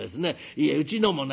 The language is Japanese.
いえうちのもね